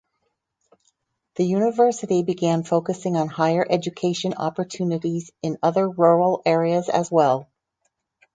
The university began focusing on higher education opportunities in other rural areas as well.